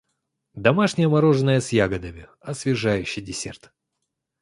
Домашнее мороженое с ягодами - освежающий десерт.